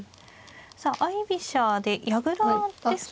さあ相居飛車で矢倉ですか。